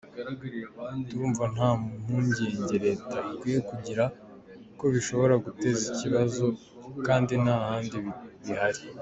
Turumva nta mpungenge Leta ikwiye kugira ko bishobora guteza ikibazo kandi n’ahandi bihari .